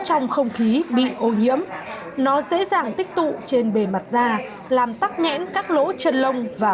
trong không khí bị ô nhiễm nó dễ dàng tích tụ trên bề mặt da làm tắc nghẽn các lỗ chân lông và